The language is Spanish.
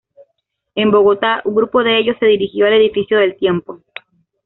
En Bogotá, un grupo de ellos se dirigió al edificio de El Tiempo.